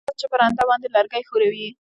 لکه نجار چې په رنده باندى لرګى ښويوي.